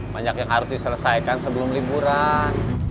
banyak yang harus diselesaikan sebelum liburan